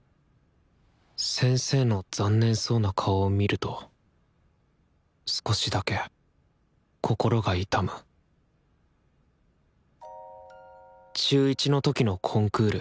先生の残念そうな顔を見ると少しだけ心が痛む中１の時のコンクール。